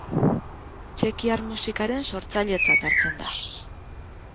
Txekiar musikaren sortzailetzat hartzen da.